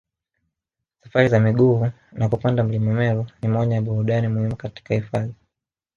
Safari za miguu na kupanda mlima Meru ni moja ya burudani muhimu katika hifadhi